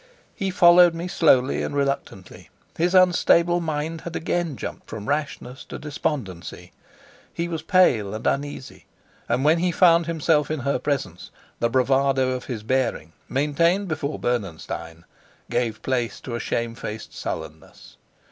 He followed me slowly and reluctantly; his unstable mind had again jumped from rashness to despondency: he was pale and uneasy, and, when he found himself in her presence, the bravado of his bearing, maintained before Bernenstein, gave place to a shamefaced sullenness.